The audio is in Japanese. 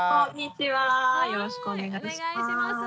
よろしくお願いします。